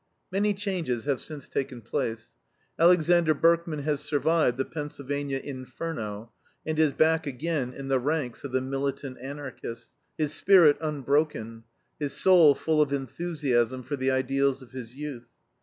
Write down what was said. Many changes have since taken place. Alexander Berkman has survived the Pennsylvania Inferno, and is back again in the ranks of the militant Anarchists, his spirit unbroken, his soul full of enthusiasm for the ideals of his youth.